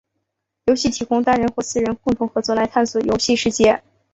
游戏提供单人或四人共同合作来探索游戏世界。